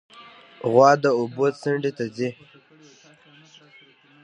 غوا د اوبو څنډې ته ځي.